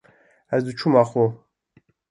ez diçûm axo.